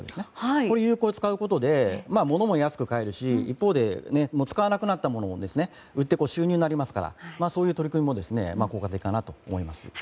これを有効に使うことでものも安く買えるし、一方で使わなくなったものを売って収入になりますからそういう取り組みも効果的だと思います。